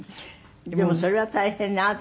でもそれは大変ね。